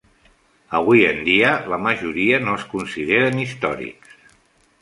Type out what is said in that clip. Avui en dia, la majoria no es consideren històrics.